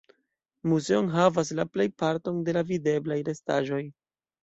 Muzeo enhavas la plejparton de la videblaj restaĵoj.